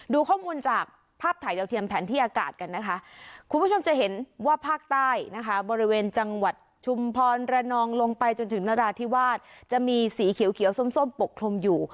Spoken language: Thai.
ดูข้อมูลจากภาพถ่ายดาวเทียมแผนที่อากาศกันนะคะคุณผู้ชมจะเห็นว่าภาคใต้นะคะบริเวณจังหวัดชุมพรระนองลงไปจนถึงนราธิวาสจะมีสีเขียวส้มปกคลุมอยู่